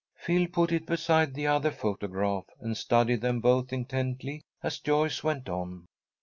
Phil put it beside the other photograph, and studied them both intently as Joyce went on.